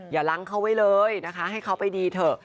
ล้างเขาไว้เลยนะคะให้เขาไปดีเถอะ